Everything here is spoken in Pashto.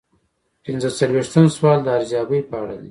پنځه څلویښتم سوال د ارزیابۍ په اړه دی.